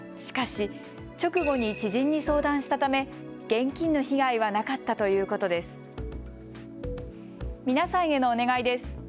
しかし直後に知人に相談したため現金の被害はなかったということです。